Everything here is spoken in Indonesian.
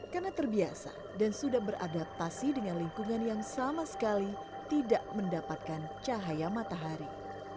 karena terbiasa dan sudah beradaptasi dengan lingkungan yang sama sekali tidak mendapatkan cahaya matahari